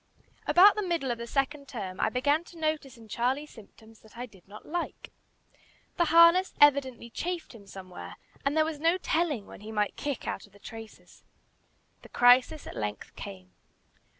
About the middle of the second term I began to notice in Charlie symptoms that I did not like. The harness evidently chafed him somewhere, and there was no telling when he might kick out of the traces. The crisis at length came.